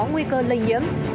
những người có nguy cơ lây nhiễm